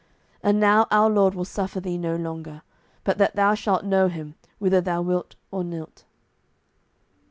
And now our Lord will suffer thee no longer, but that thou shalt know Him, whether thou wilt or nilt.